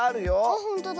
あっほんとだ。